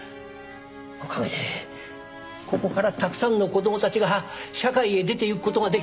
おかげでここからたくさんの子供たちが社会へ出て行く事ができました。